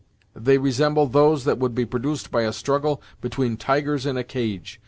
They resembled those that would be produced by a struggle between tigers in a cage.